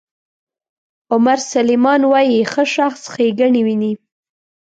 عمر سلیمان وایي ښه شخص ښېګڼې ویني.